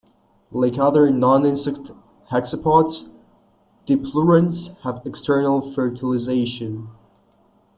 Like other non-insect hexapods, diplurans have external fertilisation.